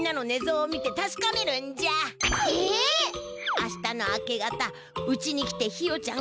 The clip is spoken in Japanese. あしたの明け方うちに来てひよちゃん